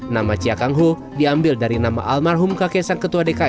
nama cia kang ho diambil dari nama almarhum kakek sang ketua dkm saat ini